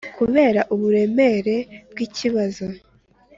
kubera uburemere bw'ikibazo